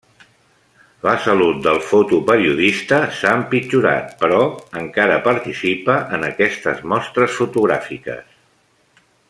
La salut del fotoperiodista s'ha empitjorat, però encara participa en aquestes mostres fotogràfiques.